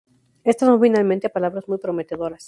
Estas son finalmente palabras muy prometedoras.